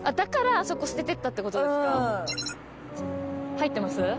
入ってます？